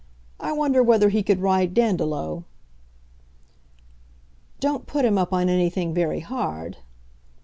I wonder whether he could ride Dandolo?" "Don't put him up on anything very hard."